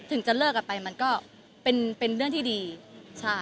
ถึงจะเลิกกันไปมันก็เป็นเป็นเรื่องที่ดีใช่